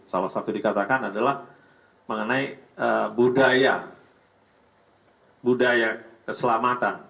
salah satu dikatakan adalah mengenai budaya budaya keselamatan